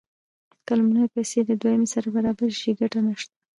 که لومړنۍ پیسې له دویمې سره برابرې شي ګټه نشته